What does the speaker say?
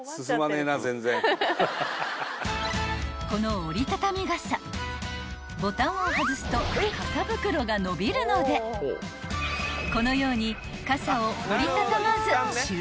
［この折り畳み傘ボタンを外すと傘袋が伸びるのでこのように］